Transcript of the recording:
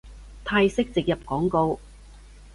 泰式植入廣告